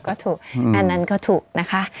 ก็ถูกอันนั้นก็ถูกนะคะ